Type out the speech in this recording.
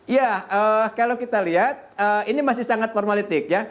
ya kalau kita lihat ini masih sangat formalitik ya